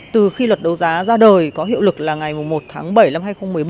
từ khi luật đấu giá ra đời có hiệu lực là ngày một tháng bảy năm hai nghìn một mươi bảy